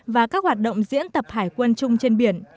và các hoạt động diễn tập hải quân chung trên biển